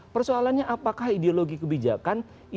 persoalannya apakah ideologi kebijakan itu diturunkan ke bumi